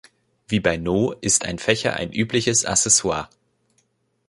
Wie bei Noh ist ein Fächer ein übliches Accessoire.